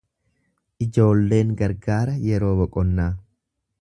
Ijoolleen gargaara yeroo boqonnaa.